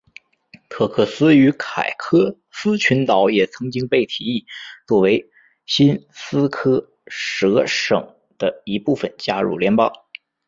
特克斯与凯科斯群岛也曾经被提议作为新斯科舍省的一部分加入联邦。